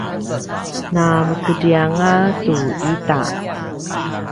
na mekedri anga tu ita